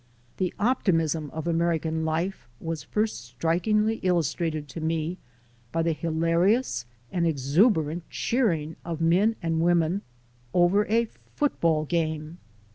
The optimism of American life was first strikingly illus trated to me by the hilarious and exuberant cheering of men and women over a football game.